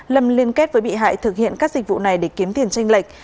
lâm liên kết với bị hại thực hiện các dịch vụ này để kiếm tiền tranh lệch